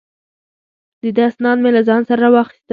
د ده اسناد مې له ځان سره را واخیستل.